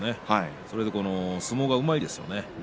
そして相撲がうまいですね。